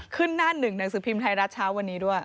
หน้าหนึ่งหนังสือพิมพ์ไทยรัฐเช้าวันนี้ด้วย